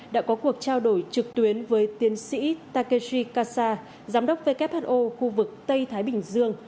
đã có cuộc trao đổi trực tuyến với tiến sĩ takeshi kasa giám đốc who khu vực tây thái bình dương